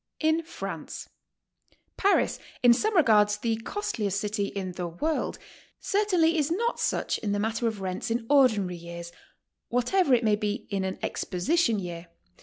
IN FRANCE: Paris, in some regards the costliest city in the world, certainly is not such in the matter of rents in ordinary years, whatever it may be in an Exposition year.